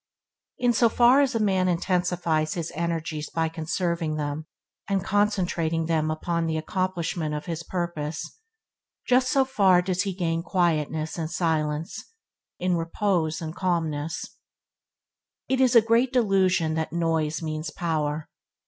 In so far as a man intensifies his energies by conserving them, and concentrating them upon the accomplishment of his purpose, just so far does he gain quietness and silence, in response and calmness. It is great delusion that noise means power.